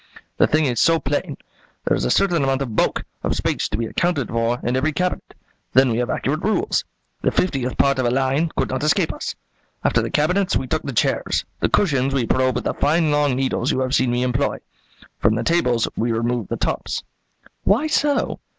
The thing is so plain. There is a certain amount of bulk, of space, to be accounted for in every cabinet. Then we have accurate rules. The fiftieth part of a line could not escape us. After the cabinets we took the chairs. The cushions we probed with the fine long needles you have seen me employ. From the tables we removed the tops." "Why so?"